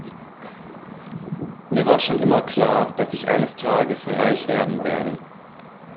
Mir war schon immer klar, dass ich eines Tages reich erben werde.